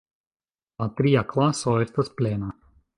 La tria klaso estas plena.